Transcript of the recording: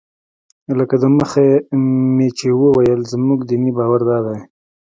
لکه دمخه مې چې وویل زموږ دیني باور دادی.